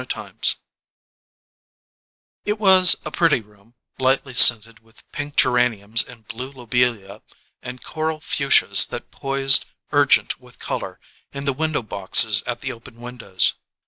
CHAPTER TWO It was a pretty room, lightly scented with the pink geraniums and blue lobelia and coral fuchsias that poised, urgent with colour, in the window boxes at the open windows.